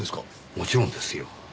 もちろんですよ。